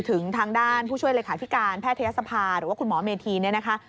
ถึงทางด้านผู้ช่วยเลขาธิการแพทยศภาหรือว่าคุณหมอเมธีเนี่ยนะคะ